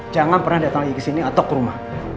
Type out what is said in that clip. jangan pernah datang lagi kesini atau ke rumah